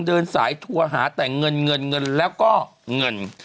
เดินสายถั่วหาแต่เงินแล้วก็เงิน